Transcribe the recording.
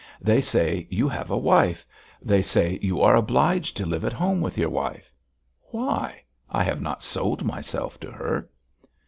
They say: 'You have a wife.' They say: 'You are obliged to live at home with your wife.' Why? I have not sold myself to her."